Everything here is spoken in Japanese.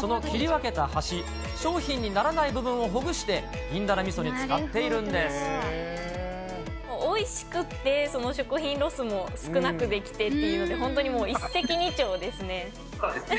その切り分けた端、商品にならない部分をほぐして、おいしくって、その食品ロスも少なくできてっていうので、本当にもう一石二鳥ですね。